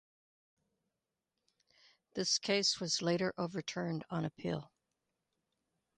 This case was later overturned on appeal.